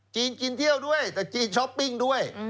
จีนกินเที่ยวด้วยแต่จีนช้อปปิ้งด้วย